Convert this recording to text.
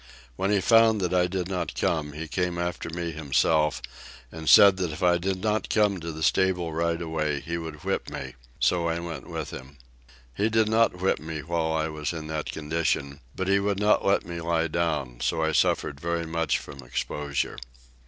When he found that I did not come, he came after me himself, and said if I did not come to the stable right away, he would whip me, so I went with him. He did not whip me while I was in that condition, but he would not let me lie down, so I suffered very much from exposure.